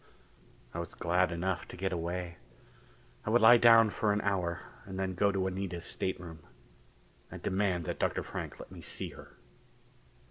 I was glad enough to get away. I would lie down for an hour and then go to Anita's stateroom. I'd demand that Dr. Frank let me see her.